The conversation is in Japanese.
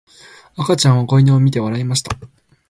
赤ちゃんは子犬を見て笑いました。